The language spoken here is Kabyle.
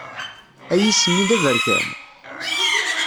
Ayis-nni d aberkan?